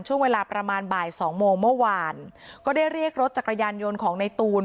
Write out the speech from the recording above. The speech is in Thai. ช่วงเวลาประมาณบ่ายสองโมงเมื่อวานก็ได้เรียกรถจักรยานยนต์ของในตูน